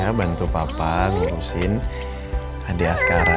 ya bantu papa ngurusin hadiah askara